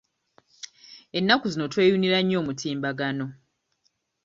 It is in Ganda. Ennaku zino tweyunira nnyo omutimbagano.